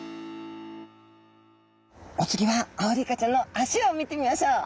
お次はアオリイカちゃんの足を見てみましょう。